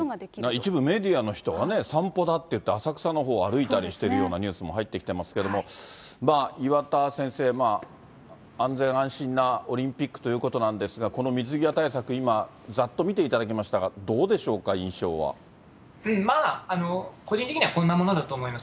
一部メディアの人はね、散歩だって言って、浅草のほう歩いたりしてるようなニュースも入ってきてますけれども、岩田先生、安全安心なオリンピックということなんですが、この水際対策、今、ざっと見ていただきましたが、どうでしょうか、まあ、個人的にはこんなものだと思います。